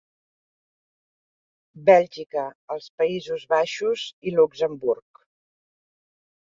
Bèlgica, els Països Baixos i Luxemburg.